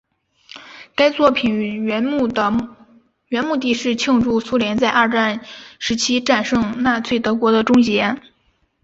该作品原目的是庆祝苏联在二战时期战胜纳粹德国的终结。